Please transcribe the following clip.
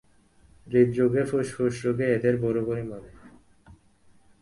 হৃদরোগে ফুসফুস রোগে এদের বুড়োবুড়ী মরে।